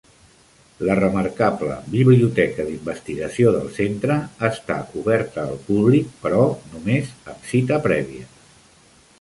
La remarcable biblioteca d'investigació del centre està oberta al públic, però només amb cita prèvia.